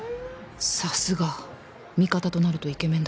さすが味方となるとイケメンだ。